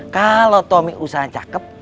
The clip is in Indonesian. kalo tommy usahanya cakep